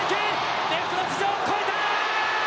レフトの頭上を越えた！